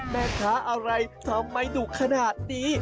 แม่ค้าอะไรทำไมดุขนาดนี้